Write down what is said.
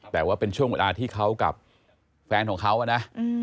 แต่ว่าเป็นช่วงเวลาที่เขากับแฟนของเขานะ